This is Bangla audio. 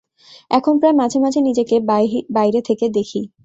এখন প্রায় মাঝে-মাঝে নিজেকে বাইরে থেকে দেখি।